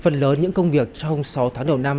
phần lớn những công việc trong sáu tháng đầu năm